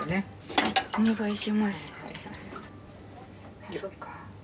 はいお願いします。